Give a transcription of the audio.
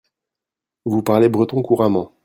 Vous parlez breton couramment.